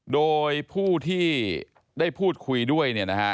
โดยผู้ที่ได้พูดคุยด้วยเนี่ยนะฮะ